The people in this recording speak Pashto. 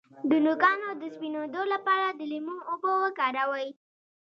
د نوکانو د سپینیدو لپاره د لیمو اوبه وکاروئ